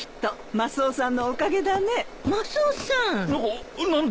マスオさん